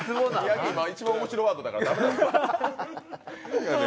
今、一番面白ワードやから駄目や。